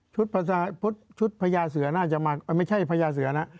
ชุดพระศาสตร์ชุดพระยาเสือน่าจะมาไม่ใช่พระยาเสือน่ะ